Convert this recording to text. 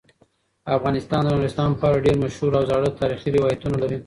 افغانستان د نورستان په اړه ډیر مشهور او زاړه تاریخی روایتونه لري.